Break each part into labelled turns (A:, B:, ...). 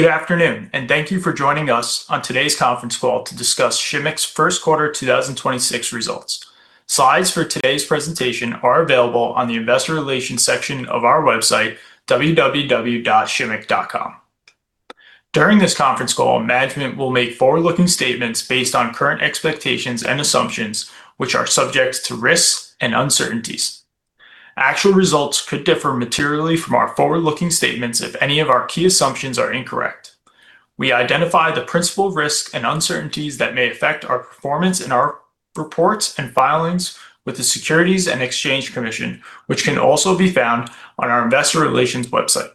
A: Good afternoon, and thank you for joining us on today's conference call to discuss Shimmick's first quarter 2026 results. Slides for today's presentation are available on the investor relations section of our website, www.shimmick.com. During this conference call, management will make forward-looking statements based on current expectations and assumptions, which are subject to risks and uncertainties. Actual results could differ materially from our forward-looking statements if any of our key assumptions are incorrect. We identify the principle risk and uncertainties that may affect our performance in our reports and filings with the Securities and Exchange Commission, which can also be found on our investor relations website.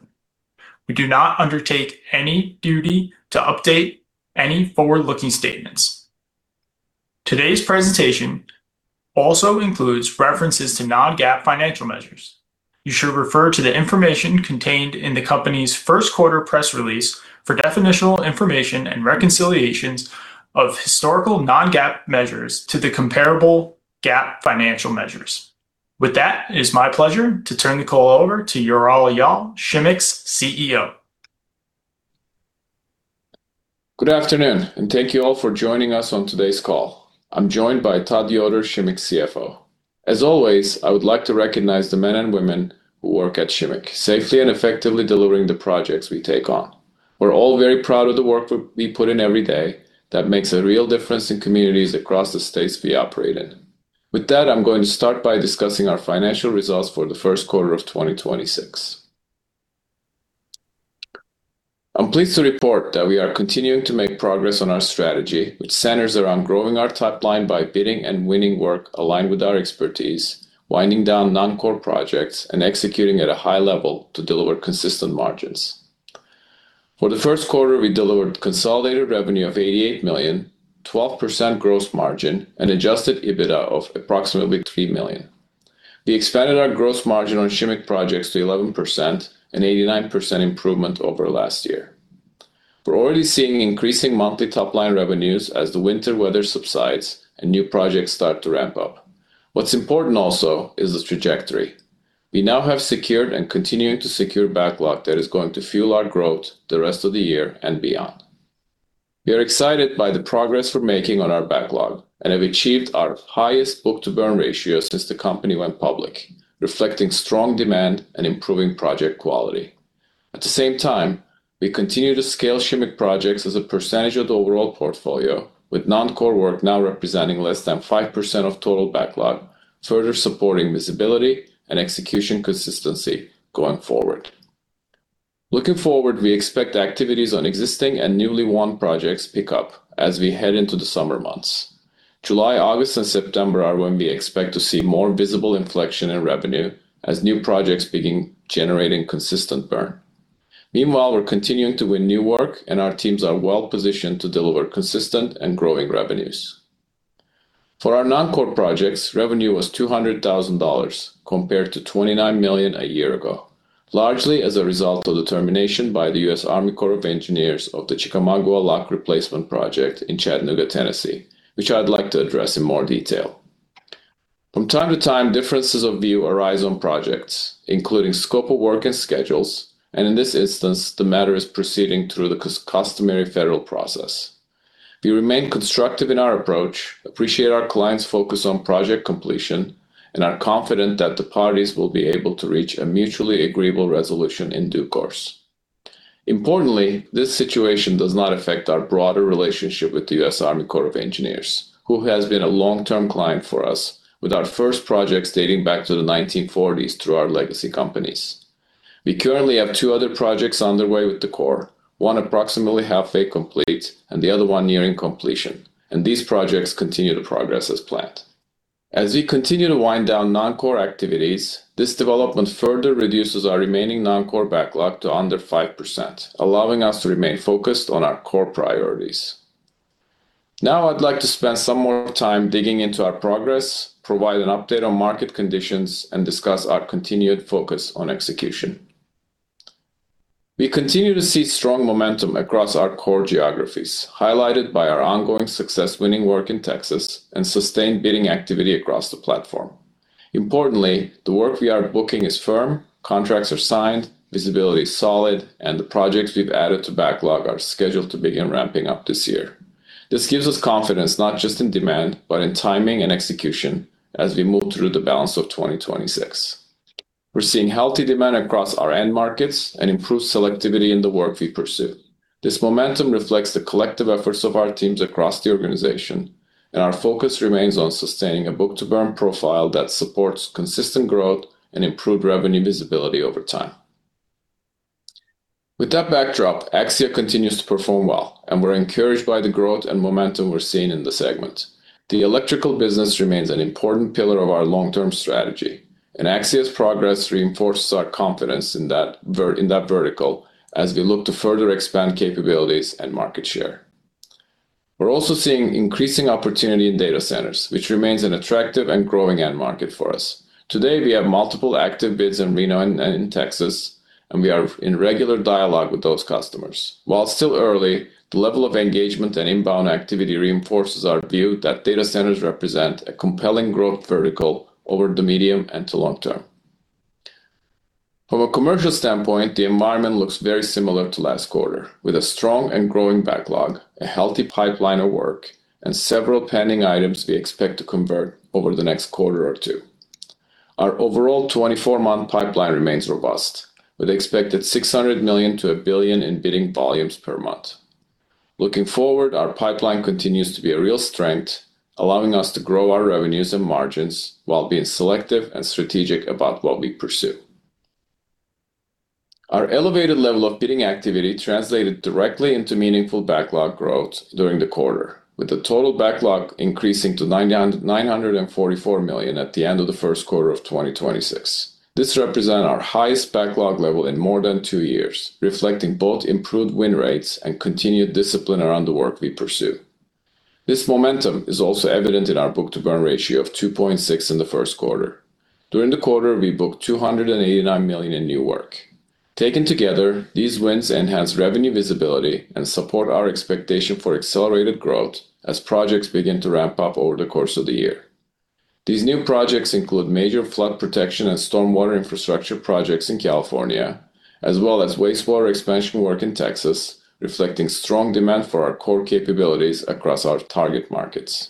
A: We do not undertake any duty to update any forward-looking statements. Today's presentation also includes references to non-GAAP financial measures. You should refer to the information contained in the company's first quarter press release for definitional information and reconciliations of historical non-GAAP measures to the comparable GAAP financial measures. With that, it is my pleasure to turn the call over to Ural Yal, Shimmick's CEO.
B: Good afternoon, and thank you all for joining us on today's call. I'm joined by Todd Yoder, Shimmick's CFO. As always, I would like to recognize the men and women who work at Shimmick, safely and effectively delivering the projects we take on. We're all very proud of the work we put in every day that makes a real difference in communities across the states we operate in. I'm going to start by discussing our financial results for the first quarter of 2026. I'm pleased to report that we are continuing to make progress on our strategy, which centers around growing our top line by bidding and winning work aligned with our expertise, winding down non-core projects, and executing at a high level to deliver consistent margins. For the first quarter, we delivered consolidated revenue of $88 million, 12% gross margin, and adjusted EBITDA of approximately $3 million. We expanded our gross margin on Shimmick projects to 11%, an 89% improvement over last year. We're already seeing increasing monthly top-line revenues as the winter weather subsides and new projects start to ramp up. What's important also is the trajectory. We now have secured and continuing to secure backlog that is going to fuel our growth the rest of the year and beyond. We are excited by the progress we're making on our backlog and have achieved our highest book-to-bill ratio since the company went public, reflecting strong demand and improving project quality. At the same time, we continue to scale Shimmick projects as a percentage of the overall portfolio, with non-core work now representing less than 5% of total backlog, further supporting visibility and execution consistency going forward. Looking forward, we expect activities on existing and newly won projects pick up as we head into the summer months. July, August, and September are when we expect to see more visible inflection in revenue as new projects begin generating consistent burn. Meanwhile, we're continuing to win new work, and our teams are well-positioned to deliver consistent and growing revenues. For our non-core projects, revenue was $200,000 compared to $29 million a year ago, largely as a result of the termination by the U.S. Army Corps of Engineers of the Chickamauga Lock Replacement Project in Chattanooga, Tennessee, which I'd like to address in more detail. From time to time, differences of view arise on projects, including scope of work and schedules, and in this instance, the matter is proceeding through the customary federal process. We remain constructive in our approach, appreciate our client's focus on project completion, and are confident that the parties will be able to reach a mutually agreeable resolution in due course. Importantly, this situation does not affect our broader relationship with the U.S. Army Corps of Engineers, who has been a long-term client for us with our first projects dating back to the 1940s through our legacy companies. We currently have two other projects underway with the Corps, one approximately halfway complete and the other one nearing completion, and these projects continue to progress as planned. As we continue to wind down non-core activities, this development further reduces our remaining non-core backlog to under 5%, allowing us to remain focused on our core priorities. Now, I'd like to spend some more time digging into our progress, provide an update on market conditions, and discuss our continued focus on execution. We continue to see strong momentum across our core geographies, highlighted by our ongoing success winning work in Texas and sustained bidding activity across the platform. Importantly, the work we are booking is firm, contracts are signed, visibility is solid, and the projects we've added to backlog are scheduled to begin ramping up this year. This gives us confidence not just in demand, but in timing and execution as we move through the balance of 2026. We're seeing healthy demand across our end markets and improved selectivity in the work we pursue. This momentum reflects the collective efforts of our teams across the organization. Our focus remains on sustaining a book-to-bill profile that supports consistent growth and improved revenue visibility over time. With that backdrop, Axia Electric continues to perform well. We're encouraged by the growth and momentum we're seeing in the segment. The electrical business remains an important pillar of our long-term strategy. Axia Electric's progress reinforces our confidence in that vertical as we look to further expand capabilities and market share. We're also seeing increasing opportunity in data centers, which remains an attractive and growing end market for us. Today, we have multiple active bids in Reno and in Texas. We are in regular dialogue with those customers. While it's still early, the level of engagement and inbound activity reinforces our view that data centers represent a compelling growth vertical over the medium and to long term. From a commercial standpoint, the environment looks very similar to last quarter, with a strong and growing backlog, a healthy pipeline of work, and several pending items we expect to convert over the next quarter or two. Our overall 24-month pipeline remains robust, with expected $600 million-$1 billion in bidding volumes per month. Looking forward, our pipeline continues to be a real strength, allowing us to grow our revenues and margins while being selective and strategic about what we pursue. Our elevated level of bidding activity translated directly into meaningful backlog growth during the quarter, with the total backlog increasing to $944 million at the end of the first quarter of 2026. This represent our highest backlog level in more than two years, reflecting both improved win rates and continued discipline around the work we pursue. This momentum is also evident in our book-to-bill ratio of 2.6 in the first quarter. During the quarter, we booked $289 million in new work. Taken together, these wins enhance revenue visibility and support our expectation for accelerated growth as projects begin to ramp up over the course of the year. These new projects include major flood protection and stormwater infrastructure projects in California, as well as wastewater expansion work in Texas, reflecting strong demand for our core capabilities across our target markets.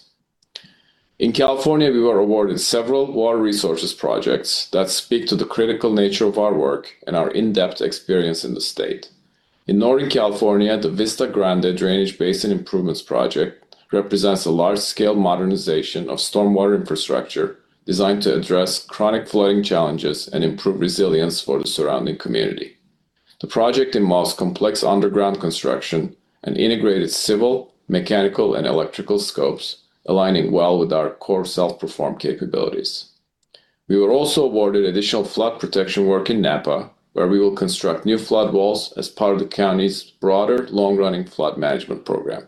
B: In California, we were awarded several water resources projects that speak to the critical nature of our work and our in-depth experience in the state. In Northern California, the Vista Grande Drainage Basin Improvements project represents a large-scale modernization of stormwater infrastructure designed to address chronic flooding challenges and improve resilience for the surrounding community. The project involves complex underground construction and integrated civil, mechanical, and electrical scopes, aligning well with our core self-perform capabilities. We were also awarded additional flood protection work in Napa, where we will construct new flood walls as part of the county's broader long-running flood management program.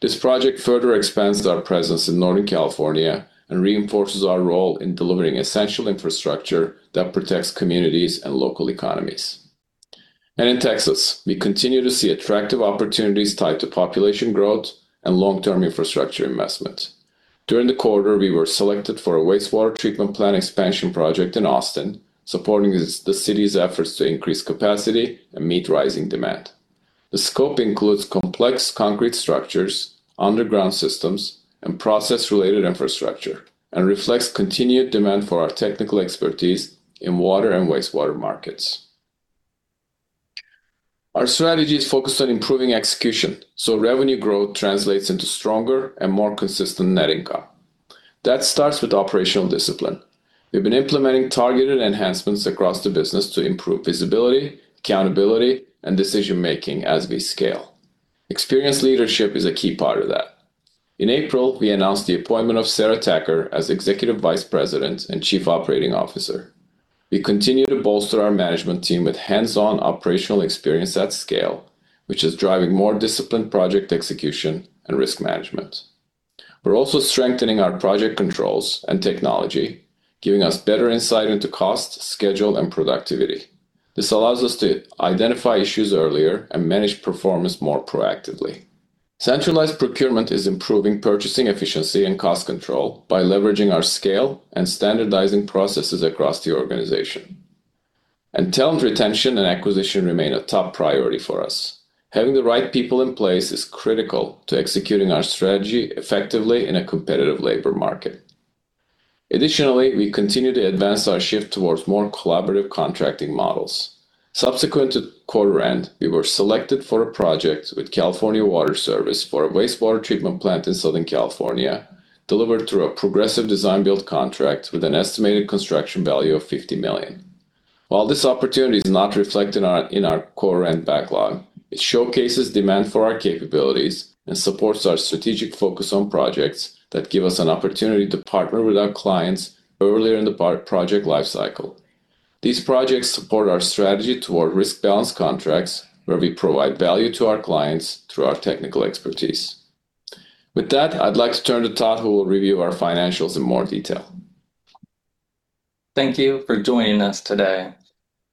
B: This project further expands our presence in Northern California and reinforces our role in delivering essential infrastructure that protects communities and local economies. In Texas, we continue to see attractive opportunities tied to population growth and long-term infrastructure investment. During the quarter, we were selected for a wastewater treatment plant expansion project in Austin, supporting the city's efforts to increase capacity and meet rising demand. The scope includes complex concrete structures, underground systems, and process-related infrastructure, and reflects continued demand for our technical expertise in water and wastewater markets. Our strategy is focused on improving execution, revenue growth translates into stronger and more consistent net income. That starts with operational discipline. We've been implementing targeted enhancements across the business to improve visibility, accountability, and decision-making as we scale. Experienced leadership is a key part of that. In April, we announced the appointment of Sarah Tacker as Executive Vice President and Chief Operating Officer. We continue to bolster our management team with hands-on operational experience at scale, which is driving more disciplined project execution and risk management. We're also strengthening our project controls and technology, giving us better insight into cost, schedule, and productivity. This allows us to identify issues earlier and manage performance more proactively. Centralized procurement is improving purchasing efficiency and cost control by leveraging our scale and standardizing processes across the organization. Talent retention and acquisition remain a top priority for us. Having the right people in place is critical to executing our strategy effectively in a competitive labor market. Additionally, we continue to advance our shift towards more collaborative contracting models. Subsequent to quarter end, we were selected for a project with California Water Service for a wastewater treatment plant in Southern California, delivered through a Progressive Design-Build contract with an estimated construction value of $50 million. While this opportunity is not reflected in our quarter end backlog, it showcases demand for our capabilities and supports our strategic focus on projects that give us an opportunity to partner with our clients earlier in the project life cycle. These projects support our strategy toward risk-balanced contracts, where we provide value to our clients through our technical expertise. With that, I'd like to turn to Todd, who will review our financials in more detail.
C: Thank you for joining us today.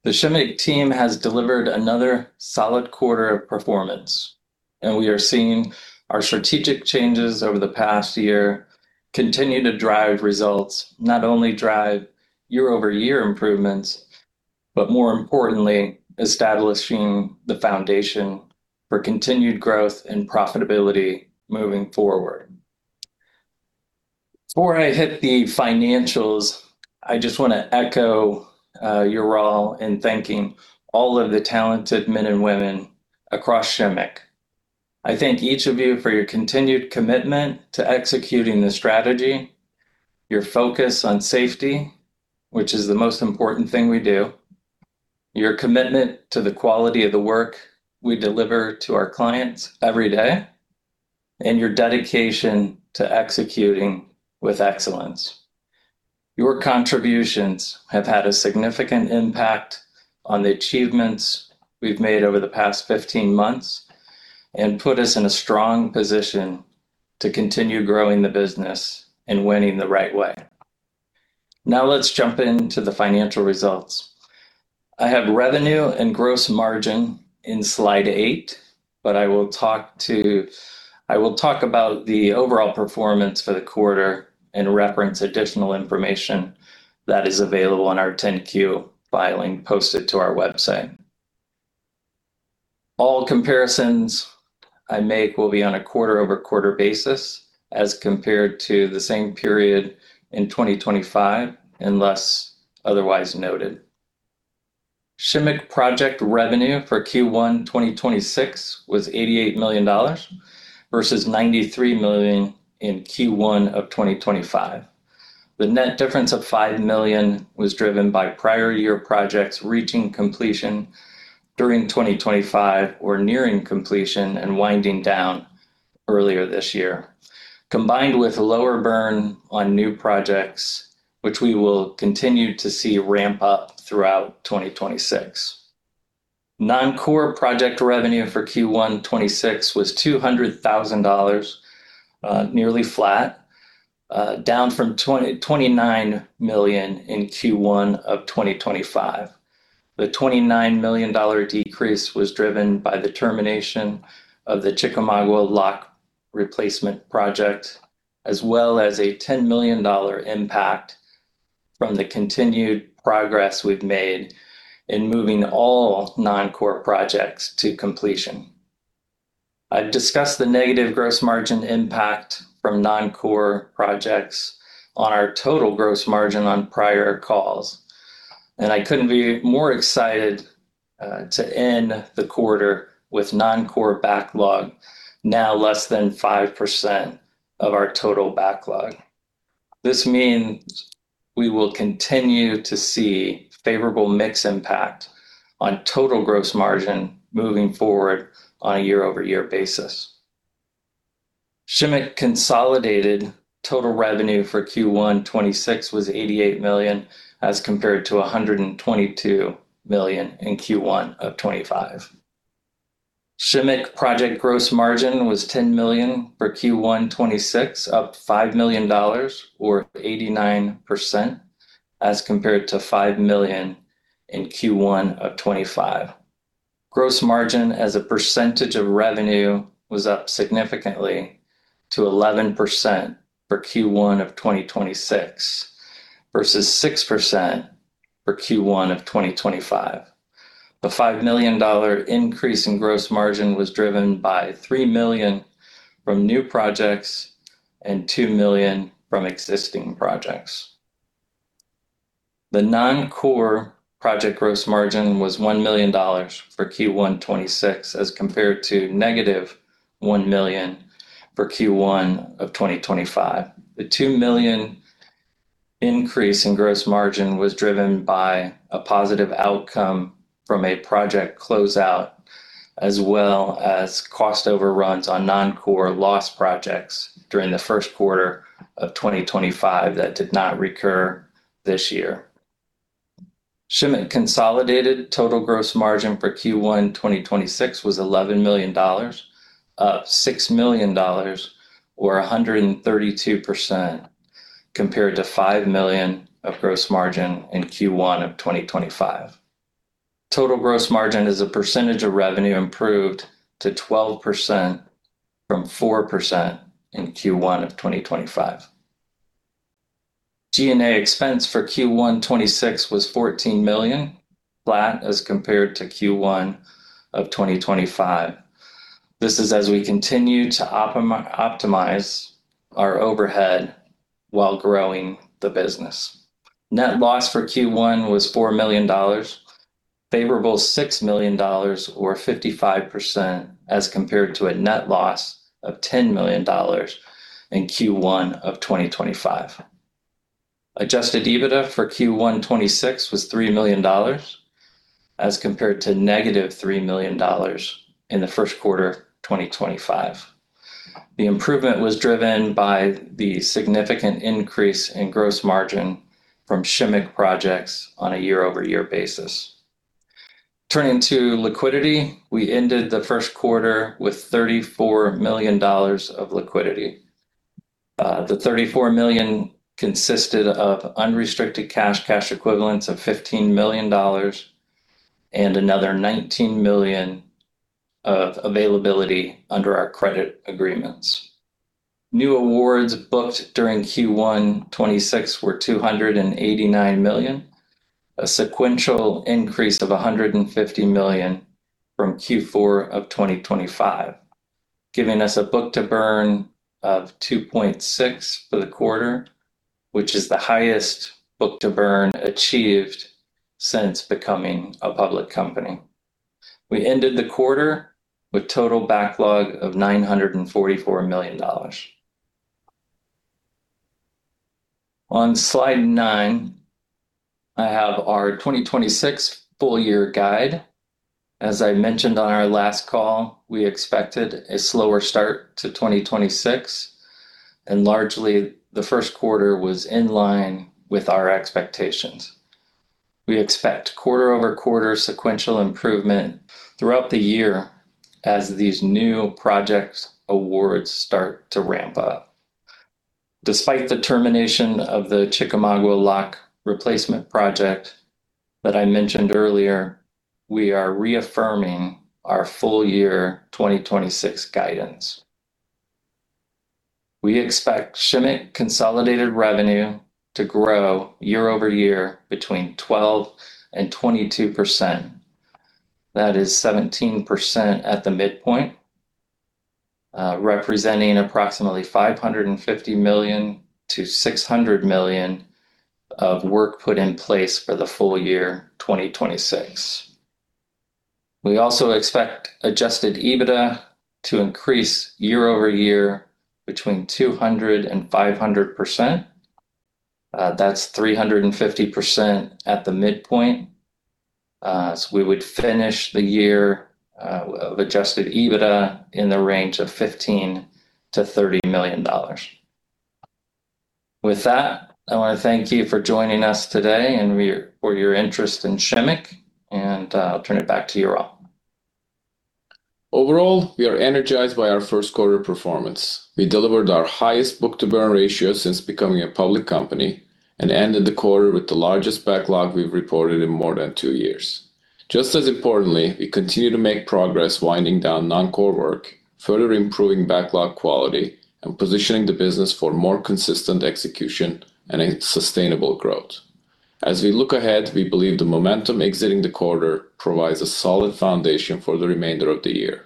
C: The Shimmick team has delivered another solid quarter of performance. We are seeing our strategic changes over the past year continue to drive results, not only drive year-over-year improvements, but more importantly, establishing the foundation for continued growth and profitability moving forward. Before I hit the financials, I just wanna echo Ural in thanking all of the talented men and women across Shimmick. I thank each of you for your continued commitment to executing the strategy, your focus on safety, which is the most important thing we do, your commitment to the quality of the work we deliver to our clients every day, and your dedication to executing with excellence. Your contributions have had a significant impact on the achievements we've made over the past 15 months and put us in a strong position to continue growing the business and winning the right way. Now let's jump into the financial results. I have revenue and gross margin in slide eight, but I will talk about the overall performance for the quarter and reference additional information that is available on our 10-Q filing posted to our website. All comparisons I make will be on a quarter-over-quarter basis as compared to the same period in 2025, unless otherwise noted. Shimmick project revenue for Q1 2026 was $88 million, versus $93 million in Q1 of 2025. The net difference of $5 million was driven by prior year projects reaching completion during 2025 or nearing completion and winding down earlier this year. Combined with lower burn on new projects, which we will continue to see ramp up throughout 2026. Non-core project revenue for Q1 2026 was $200,000, nearly flat, down from $29 million in Q1 of 2025. The $29 million decrease was driven by the termination of the Chickamauga Lock Replacement Project, as well as a $10 million impact from the continued progress we've made in moving all non-core projects to completion. I've discussed the negative gross margin impact from non-core projects on our total gross margin on prior calls. I couldn't be more excited to end the quarter with non-core backlog now less than 5% of our total backlog. This means we will continue to see favorable mix impact on total gross margin moving forward on a year-over-year basis. Shimmick consolidated total revenue for Q1 2026 was $88 million, as compared to $122 million in Q1 of 2025. Shimmick project gross margin was $10 million for Q1 2026, up $5 million or 89%, as compared to $5 million in Q1 of 2025. Gross margin as a percentage of revenue was up significantly to 11% for Q1 of 2026 versus 6% for Q1 of 2025. The $5 million increase in gross margin was driven by $3 million from new projects and $2 million from existing projects. The non-core project gross margin was $1 million for Q1 2026 as compared to negative $1 million for Q1 of 2025. The $2 million increase in gross margin was driven by a positive outcome from a project closeout, as well as cost overruns on non-core loss projects during the first quarter of 2025 that did not recur this year. Shimmick consolidated total gross margin for Q1 2026 was $11 million, up $6 million or 132%, compared to $5 million of gross margin in Q1 of 2025. Total gross margin as a percentage of revenue improved to 12% from 4% in Q1 of 2025. G&A expense for Q1 2026 was $14 million, flat as compared to Q1 of 2025. This is as we continue to optimize our overhead while growing the business. Net loss for Q1 was $4 million, favorable $6 million or 55% as compared to a net loss of $10 million in Q1 of 2025. Adjusted EBITDA for Q1 2026 was $3 million as compared to negative $3 million in the first quarter of 2025. The improvement was driven by the significant increase in gross margin from Shimmick projects on a year-over-year basis. Turning to liquidity, we ended the first quarter with $34 million of liquidity. The $34 million consisted of unrestricted cash equivalents of $15 million and another $19 million of availability under our credit agreements. New awards booked during Q1 2026 were $289 million, a sequential increase of $150 million from Q4 of 2025, giving us a book-to-bill of 2.6 for the quarter, which is the highest book-to-bill achieved since becoming a public company. We ended the quarter with total backlog of $944 million. On slide nine, I have our 2026 full year guide. As I mentioned on our last call, we expected a slower start to 2026, and largely the first quarter was in line with our expectations. We expect quarter-over-quarter sequential improvement throughout the year as these new project awards start to ramp up. Despite the termination of the Chickamauga Lock Replacement Project that I mentioned earlier, we are reaffirming our full year 2026 guidance. We expect Shimmick consolidated revenue to grow year-over-year between 12% and 22%. That is 17% at the midpoint, representing approximately $550 million-$600 million of work put in place for the full year 2026. We also expect adjusted EBITDA to increase year-over-year between 200% and 500%. That's 350% at the midpoint. We would finish the year of adjusted EBITDA in the range of $15 million-$30 million. With that, I wanna thank you for joining us today and we for your interest in Shimmick, and I'll turn it back to you, Ural.
B: Overall, we are energized by our first quarter performance. We delivered our highest book-to-bill ratio since becoming a public company and ended the quarter with the largest backlog we've reported in more than two years. Just as importantly, we continue to make progress winding down non-core work, further improving backlog quality and positioning the business for more consistent execution and a sustainable growth. As we look ahead, we believe the momentum exiting the quarter provides a solid foundation for the remainder of the year.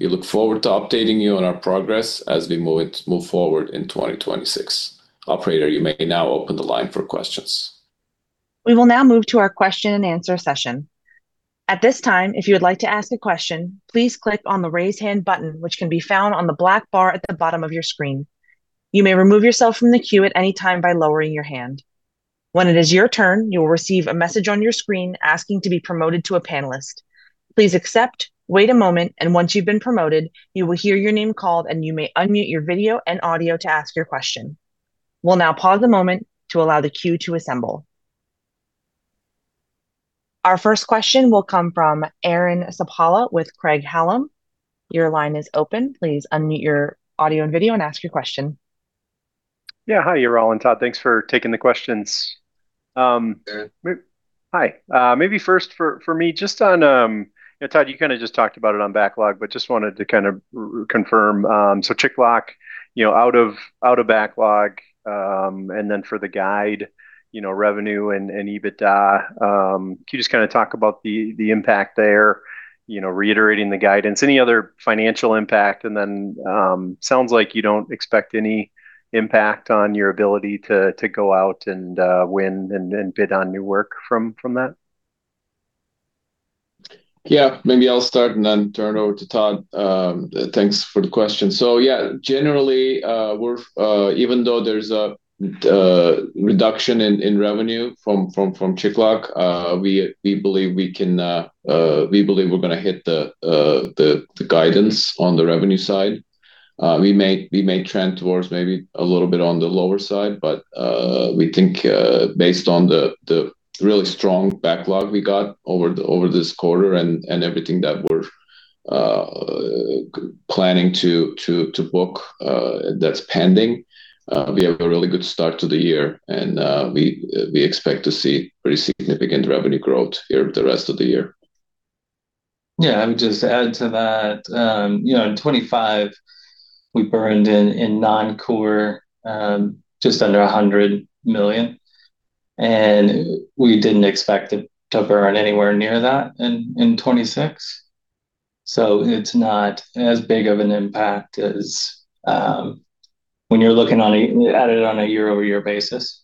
B: We look forward to updating you on our progress as we move forward in 2026. Operator, you may now open the line for questions.
A: We will now move to our question and answer session. At this time, if you would like to ask a question, please click on the Raise Hand button, which can be found on the black bar at the bottom of your screen. You may remove yourself from the queue at any time by lowering your hand. When it is your turn, you will receive a message on your screen asking to be promoted to a panelist. Please accept, wait a moment, and once you've been promoted, you will hear your name called and you may unmute your video and audio to ask your question. We'll now pause a moment to allow the queue to assemble. Our first question will come from Aaron Spychalla with Craig-Hallum. Your line is open. Please unmute your audio and video and ask your question.
D: Yeah. Hi, Ural and Todd. Thanks for taking the questions.
B: Aaron.
D: Hi. Maybe first for me, just on, you know, Todd, you kinda just talked about it on backlog, but just wanted to kind of confirm, so Chickamauga Lock, you know, out of, out of backlog, and then for the guide, you know, revenue and EBITDA, can you just kinda talk about the impact there, you know, reiterating the guidance? Any other financial impact? Sounds like you don't expect any impact on your ability to go out and win and bid on new work from that?
B: Maybe I'll start and then turn over to Todd. Thanks for the question. Generally, we're, even though there's a reduction in revenue from Chickamauga Lock, we believe we can, we believe we're gonna hit the guidance on the revenue side. We may trend towards maybe a little bit on the lower side, but we think, based on the really strong backlog we got over this quarter and everything that we're planning to book, that's pending, we have a really good start to the year and we expect to see pretty significant revenue growth here the rest of the year.
C: Yeah. I would just add to that, you know, in 2025, we burned in non-core just under $100 million, and we didn't expect it to burn anywhere near that in 2026, so it's not as big of an impact as when you're looking at it on a year-over-year basis.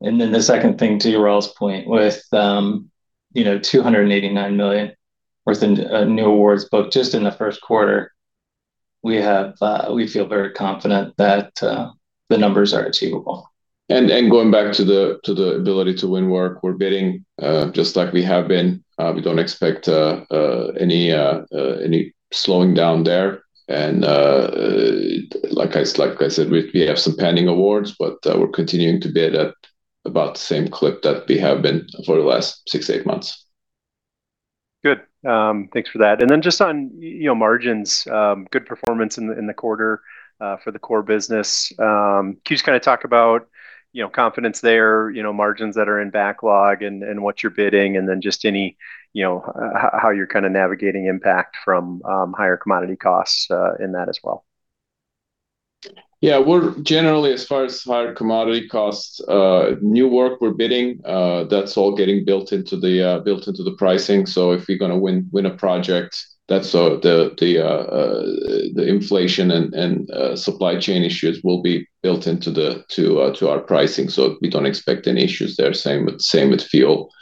C: Then the second thing to Ural's point, with, you know, $289 million worth in new awards booked just in the first quarter, we feel very confident that the numbers are achievable.
B: Going back to the ability to win work, we're bidding, just like we have been. We don't expect any slowing down there. Like I said, we have some pending awards, but we're continuing to bid at about the same clip that we have been for the last six to eight months.
D: Good. Thanks for that. Just on, you know, margins, good performance in the quarter for the core business. Can you just kinda talk about, you know, confidence there, you know, margins that are in backlog and what you're bidding, and then just any, you know, how you're kinda navigating impact from higher commodity costs in that as well?
B: Yeah. We're generally, as far as higher commodity costs, new work we're bidding, that's all getting built into the built into the pricing. If you're gonna win a project, that's the inflation and supply chain issues will be built into the to our pricing. We don't expect any issues there. Same with fuel.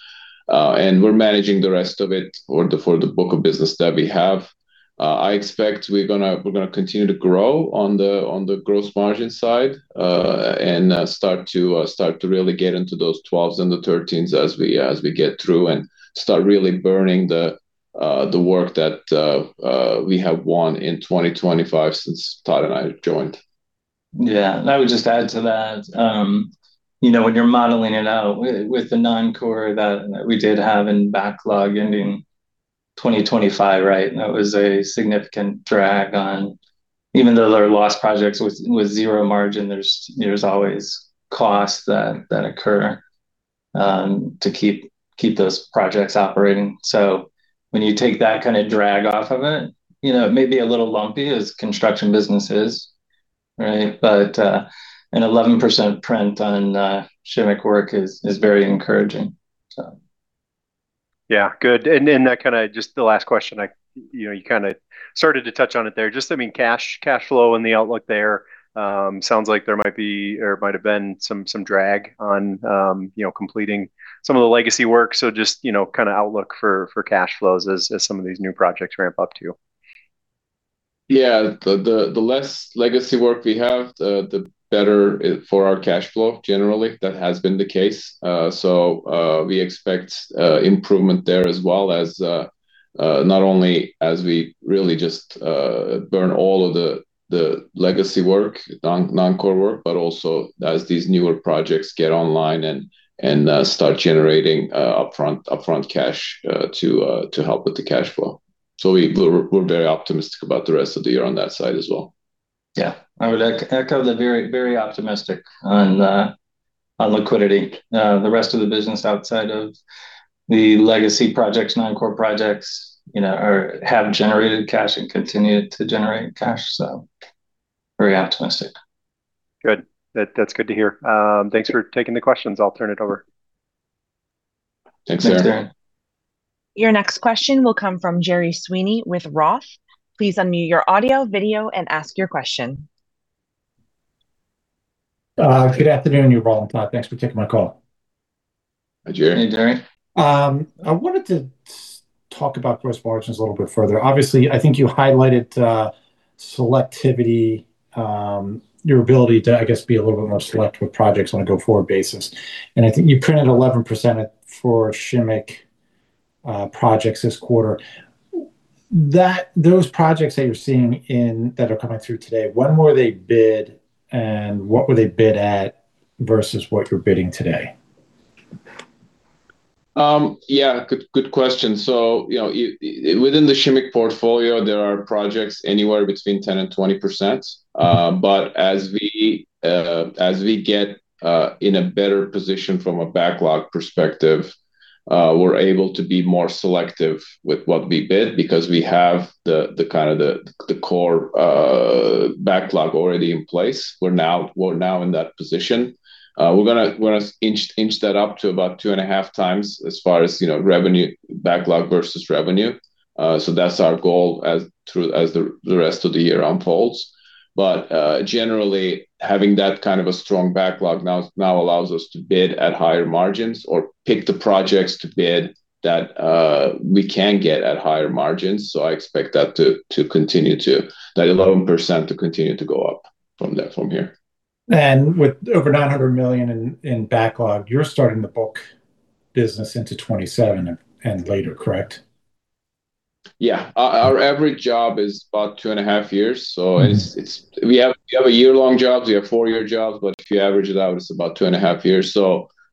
B: We're managing the rest of it for the for the book of business that we have. I expect we're gonna continue to grow on the on the growth margin side, and start to really get into those 12s and the 13s as we get through and start really burning the work that we have won in 2025 since Todd and I joined.
C: Yeah. I would just add to that, you know, when you're modeling it out with the non-core that we did have in backlog ending 2025, right? That was a significant drag on. Even though there are lost projects with zero margin, there's, you know, there's always costs that occur to keep those projects operating. When you take that kind of drag off of it, you know, it may be a little lumpy as construction business is, right? An 11% print on Shimmick work is very encouraging.
D: Yeah. Good. That kind of just the last question I, you know, you kind of started to touch on it there. I mean, cash flow and the outlook there. Sounds like there might be or might have been some drag on, you know, completing some of the legacy work. You know, kind of outlook for cash flows as some of these new projects ramp up to you.
B: The less legacy work we have, the better for our cash flow. Generally, that has been the case. We expect improvement there as well as not only as we really just burn all of the legacy work, non-core work, but also as these newer projects get online and start generating upfront cash to help with the cash flow. We're very optimistic about the rest of the year on that side as well.
C: Yeah. I would echo the very, very optimistic on liquidity. The rest of the business outside of the legacy projects, non-core projects, you know, are have generated cash and continue to generate cash, so very optimistic.
D: Good. That's good to hear. Thanks for taking the questions. I'll turn it over.
B: Thanks, Aaron.
C: Thanks, Aaron.
A: Your next question will come from Gerard Sweeney with ROTH. Please unmute your audio, video, and ask your question.
E: Good afternoon, Ural and Todd. Thanks for taking my call.
B: Hi, Gerard.
C: Hey, Gerard.
E: I wanted to talk about gross margins a little bit further. Obviously, I think you highlighted selectivity, your ability to, I guess, be a little bit more selective with projects on a go-forward basis. I think you printed 11% at, for Shimmick projects this quarter. Those projects that you're seeing in, that are coming through today, when were they bid and what were they bid at versus what you're bidding today?
B: Yeah, good question. You know, within the Shimmick portfolio, there are projects anywhere between 10% and 20%. As we get in a better position from a backlog perspective, we're able to be more selective with what we bid because we have the kind of the core backlog already in place. We're now in that position. We're gonna inch that up to about 2.5x as far as, you know, revenue, backlog versus revenue. That's our goal as through, as the rest of the year unfolds. Generally, having that kind of a strong backlog now allows us to bid at higher margins or pick the projects to bid that we can get at higher margins. I expect that to continue to, that 11% to continue to go up from that, from here.
E: With over $900 million in backlog, you're starting to book business into 2027 and later, correct?
B: Yeah. Our average job is about 2.5 years. We have a year-long jobs, we have four-year jobs, If you average it out, it's about 2.5 years.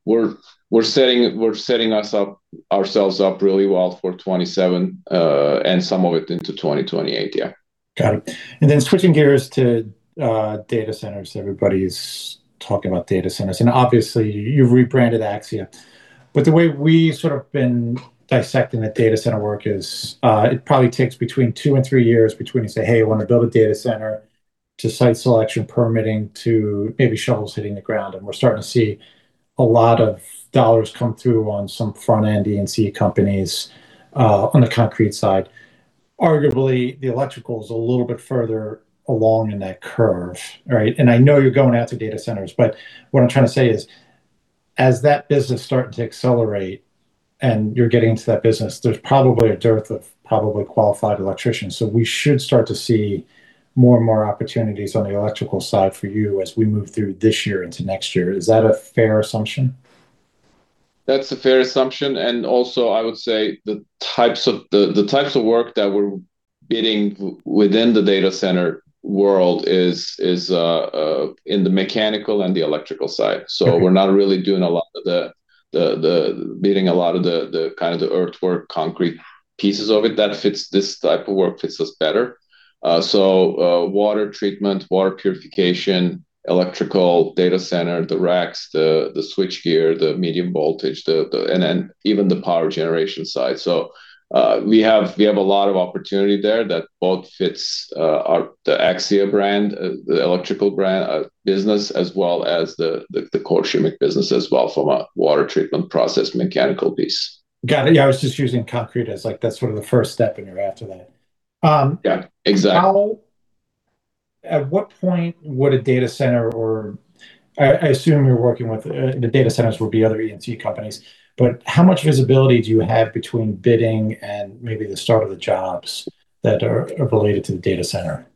B: We're setting ourselves up really well for 2027, and some of it into 2028. Yeah.
E: Got it. Switching gears to data centers. Everybody's talking about data centers, and obviously you've rebranded Axia. The way we sort of been dissecting the data center work is, it probably takes between two and three years between say, "Hey, I wanna build a data center," to site selection permitting to maybe shovels hitting the ground. We're starting to see a lot of dollars come through on some front-end D and C companies, on the concrete side. Arguably, the electrical's a little bit further along in that curve, right? I know you're going out to data centers, what I'm trying to say is, as that business start to accelerate and you're getting into that business, there's probably a dearth of probably qualified electricians. We should start to see more and more opportunities on the electrical side for you as we move through this year into next year. Is that a fair assumption?
B: That's a fair assumption, also I would say the types of work that we're bidding within the data center world is in the mechanical and the electrical side.
E: Okay.
B: We're not really doing a lot of the bidding, a lot of the kind of the earth work concrete pieces of it that fits this type of work fits us better. Water treatment, water purification, electrical data center, the racks, the switchgear, the medium voltage, and then even the power generation side. We have a lot of opportunity there that both fits our the Axia brand, the electrical brand business as well as the core Shimmick business as well from a water treatment process mechanical piece.
E: Got it. Yeah, I was just using concrete as like that's one of the first step and you're after that.
B: Yeah. Exactly.
E: How at what point would a data center or I assume you're working with, the data centers would be other E&C companies, but how much visibility do you have between bidding and maybe the start of the jobs that are related to the data center?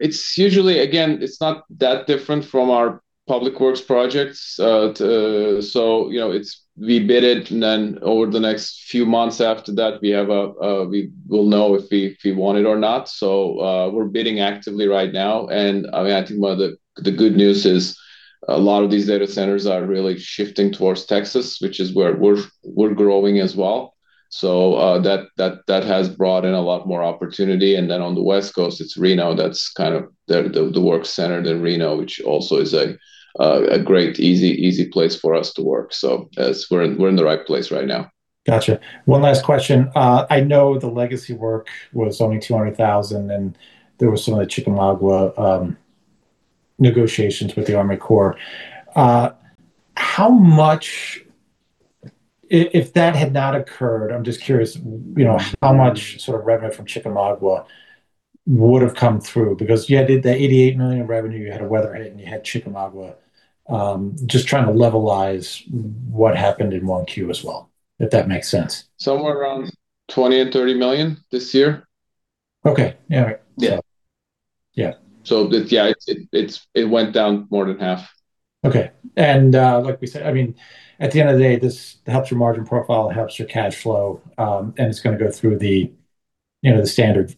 B: It's usually Again, it's not that different from our public works projects. You know, it's, we bid it, and then over the next few months after that, we have a, we will know if we want it or not. We're bidding actively right now. I mean, I think one of the good news is. A lot of these data centers are really shifting towards Texas, which is where we're growing as well. That has brought in a lot more opportunity. On the West Coast, it's Reno that's kind of the work center in Reno, which also is a great, easy place for us to work. We're in the right place right now.
E: Gotcha. One last question. I know the legacy work was only $200,000, and there was some of the Chickamauga negotiations with the Army Corps. How much if that had not occurred, I'm just curious, you know, how much sort of revenue from Chickamauga would have come through? You had the $88 million revenue, you had a weather hit, and you had Chickamauga. Just trying to levelize what happened in 1Q as well, if that makes sense.
B: Somewhere around $20 million-$30 million this year.
E: Okay. Yeah, right.
B: Yeah.
E: Yeah.
B: Yeah, it went down more than half.
E: Okay. like we said, I mean, at the end of the day, this helps your margin profile, it helps your cash flow, it's gonna go through the, you know, the standard,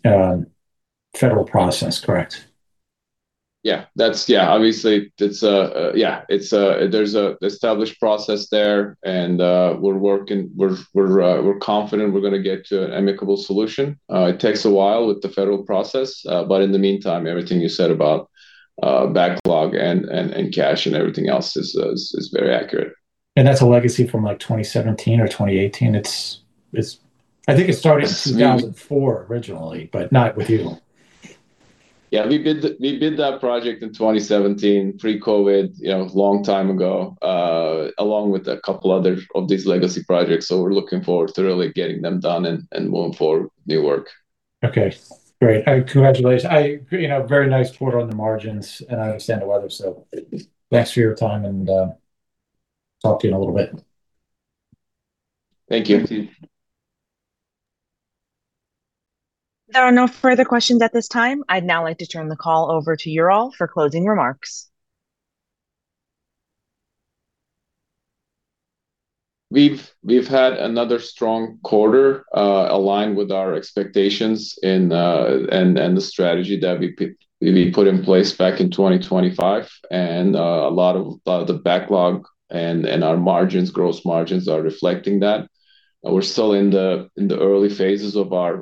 E: federal process, correct?
B: Yeah. Obviously there's an established process there. We're confident we're going to get to an amicable solution. It takes a while with the federal process. In the meantime, everything you said about backlog and cash and everything else is very accurate.
E: That's a legacy from, like, 2017 or 2018. It's I think it started in 2004 originally, but not with you.
B: Yeah, we bid that project in 2017, pre-COVID, you know, long time ago, along with a couple other of these legacy projects, so we're looking forward to really getting them done and moving forward new work.
E: Okay, great. Congratulations. I, you know, very nice quarter on the margins. I understand the weather. Thanks for your time, and talk to you in a little bit.
B: Thank you.
E: Thank you.
A: There are no further questions at this time. I'd now like to turn the call over to Ural for closing remarks.
B: We've had another strong quarter, aligned with our expectations and the strategy that we put in place back in 2025. A lot of the backlog and our margins, gross margins are reflecting that. We're still in the early phases of our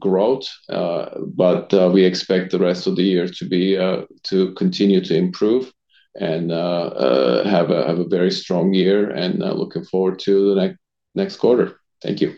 B: growth, but we expect the rest of the year to continue to improve and have a very strong year and looking forward to the next quarter. Thank you.